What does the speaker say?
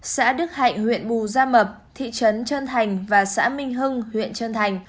xã đức hạnh huyện bù gia mập thị trấn trơn thành và xã minh hưng huyện trân thành